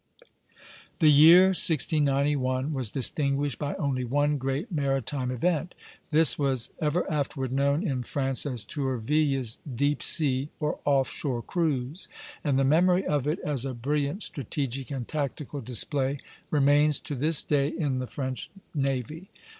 The year 1691 was distinguished by only one great maritime event. This was ever afterward known in France as Tourville's "deep sea" or "off shore" cruise; and the memory of it as a brilliant strategic and tactical display remains to this day in the French navy.